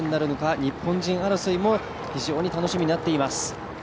日本人選手の争いも非常に楽しみになっています。